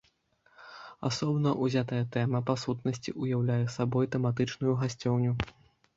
Асобна ўзятая тэма, па сутнасці, уяўляе сабой тэматычную гасцёўню.